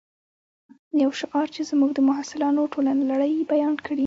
یو شعار چې زموږ د محصولاتو ټوله لړۍ بیان کړي